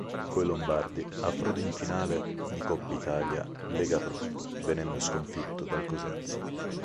Coi lombardi, approda in finale di Coppa Italia Lega Pro, venendo sconfitto dal Cosenza.